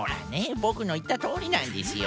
ボクのいったとおりなんですよ。